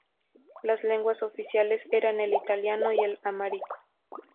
Las lenguas oficiales eran el italiano y el amárico.